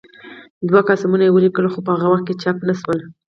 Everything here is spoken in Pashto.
دوه قاموسونه یې ولیکل خو په هغه وخت کې چاپ نه شول.